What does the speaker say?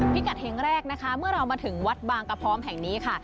พิกัดแห่งแรกนะคะเมื่อเรามาถึงวัดบางกระพร้อมแห่งนี้ค่ะ